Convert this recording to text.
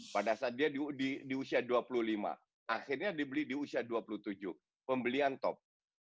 pada saat dia di usia dua puluh lima akhirnya dibeli di usia dua puluh tujuh pembelian top